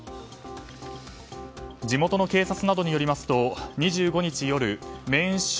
地元の警察などによりますと２５日夜メーン州